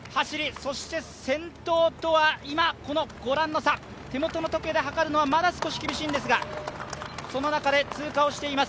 そして先頭とは今、御覧の差、手元の時計ではかるのはまだ少し厳しいんですが、その中で通過をしています。